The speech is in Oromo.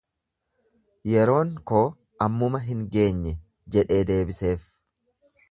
Yeroon koo ammuma hin geenye jedhee deebiseef.